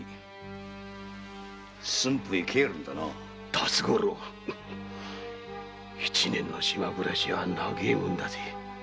辰五郎七年の島暮らしは長ぇもんだぜ。